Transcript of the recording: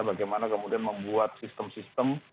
bagaimana kemudian membuat sistem sistem